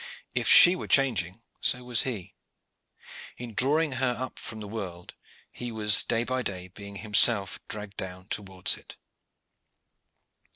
If she were changing, so was he. In drawing her up from the world, he was day by day being himself dragged down towards it.